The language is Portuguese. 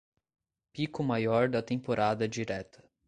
Pico Maior da Temporada Direta